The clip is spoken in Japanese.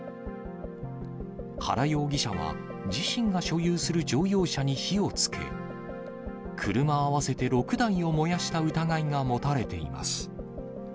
原容疑者は自身が所有する乗用車に火をつけ、車合わせて６台を燃やした疑いが持たれています。